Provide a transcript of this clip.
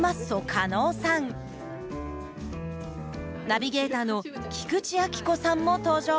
ナビゲーターの菊池亜希子さんも登場。